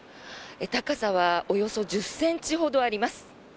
高さはおよそ１０ｃｍほどあります。